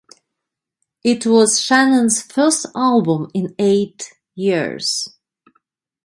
It was Shannon's first album in eight years.